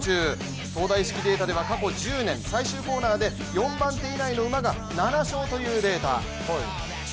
東大式データでは、過去１０年最終コーナーで４番手以内の馬が７勝というデータ。